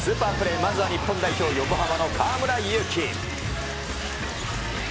まずは日本代表、横浜の河村勇輝。